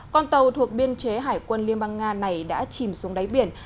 con tàu thuộc biên chế hải quân liên bang nga này đã chìm xuống đáy biển